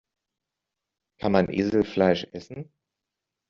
Kann man Eselfleisch essen?